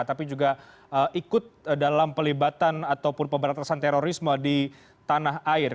tapi juga ikut dalam pelibatan ataupun pemberantasan terorisme di tanah air